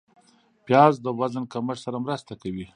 پیاز د وزن کمښت سره مرسته کوي